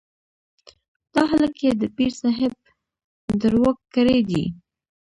دا هلک يې د پير صاحب دروږ کړی دی.